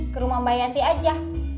ke rumah mbak yanti aja